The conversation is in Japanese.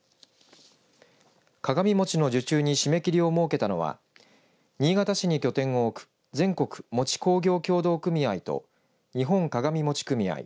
鏡餅の受注に締め切りを設けたのは新潟市に拠点を置く全国餅工業協同組合と日本鏡餅組合